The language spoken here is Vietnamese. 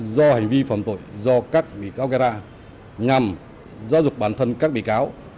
do hành vi phạm tội do các bị cáo gây ra nhằm giáo dục bản thân các bị cáo